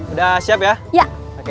udah siap ya